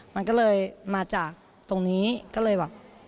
มันก็เลยมาจากตรงนี้ก็เลยแบบ